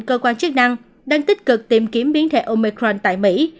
cơ quan chức năng đang tích cực tìm kiếm biến thể omecron tại mỹ